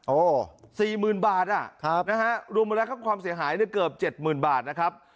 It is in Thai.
โอ้สี่หมื่นบาทน่ะครับนะฮะรวมหมดและเข้าไปความเสียหายในเกือบ๗๐๐๐๐บาทนะครับ